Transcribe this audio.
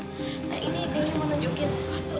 ini ini mau tunjukin sesuatu